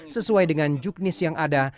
sesuai dengan juknis yang ada